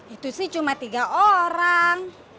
itu sih cuma tiga orang